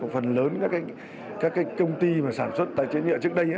phần lớn các công ty sản xuất tại chế nhựa trước đây